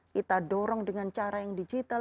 kita dorong dengan cara yang digital